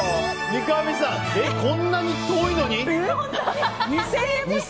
三上さん、こんなに遠いのに？